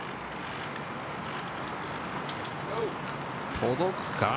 届くか？